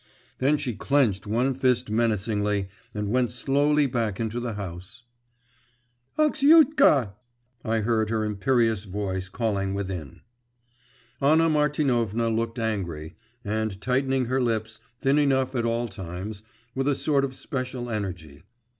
Then she clenched one fist menacingly, and went slowly back into the house. 'Axiutka!' I heard her imperious voice calling within. Anna Martinovna looked angry, and tightened her lips, thin enough at all times, with a sort of special energy.